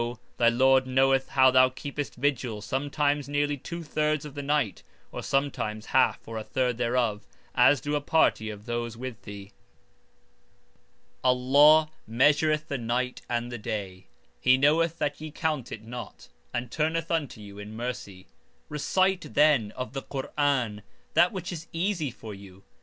thy Lord knoweth how thou keepest vigil sometimes nearly two thirds of the night, or (sometimes) half or a third thereof, as do a party of those with thee. Allah measureth the night and the day. He knoweth that ye count it not, and turneth unto you in mercy. Recite, then, of the Qur'an that which is easy for you.